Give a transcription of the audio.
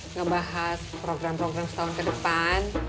ngebahas program program setahun ke depan